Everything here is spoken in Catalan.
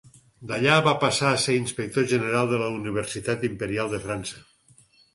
D'allà va passar a ser inspector general de la Universitat Imperial de França.